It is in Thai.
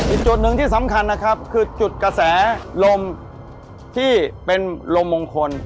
อีกจุดหนึ่งที่สำคัญนะครับคือจุดกระแสลมที่เป็นลมมงคล